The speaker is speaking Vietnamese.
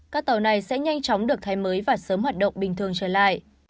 các tàu này sẽ nhanh chóng được thay mới và sớm hoạt động bình thường trở lại